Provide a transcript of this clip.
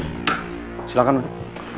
kita datang kesini untuk